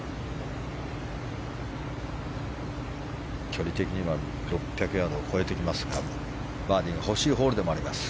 距離的には６００ヤードを超えてきますがバーディーが欲しいホールでもあります。